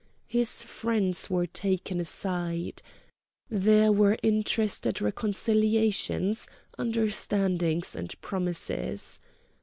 His friends were taken aside. There were interested reconciliations, understandings, and promises.